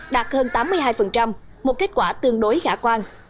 đạt hơn tám mươi hai một kết quả tương đối khả quan